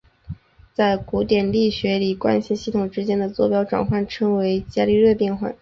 在古典力学里惯性系统之间的座标转换称为伽利略变换。